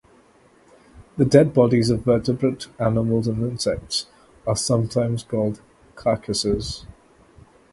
The dead bodies of vertebrate animals and insects are sometimes called "carcasses".